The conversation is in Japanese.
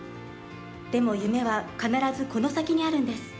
でも夢は必ずこの先にあるんです。